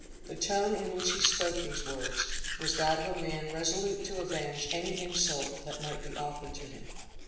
The tone in which he spoke these words, was that of a man resolute to avenge any insult that might be offered to him.